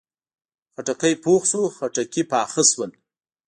خټکی پوخ شو، خټکي پاخه شول